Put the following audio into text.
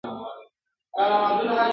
ته هم چا یې پر نزله باندي وهلی؟!!